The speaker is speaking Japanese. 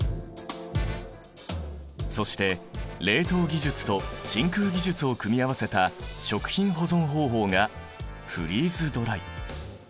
そして冷凍技術と真空技術を組み合わせた食品保存方法がフリーズドライ。